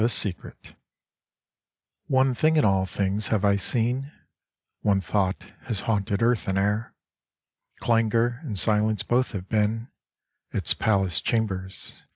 iettvtt ONE thing in all things have I seen : One thought has haunted earth and air : Clangour and silence both have been Its palace chambers.